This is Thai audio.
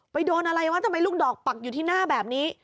โดนอะไรวะทำไมลูกดอกปักอยู่ที่หน้าแบบนี้